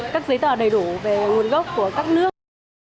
các giấy tờ đầy đủ về nguồn gốc của các nước